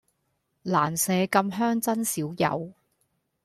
蘭麝咁香真少有